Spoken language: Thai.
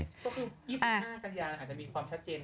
ก็คืออีกหน้ากันอย่างอาจจะมีความชัดเจนขึ้น